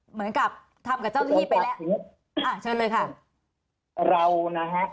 เหมือนกับทำกับเจ้าหน้าที่ไปแล้วอ่าเชิญเลยค่ะเรานะฮะ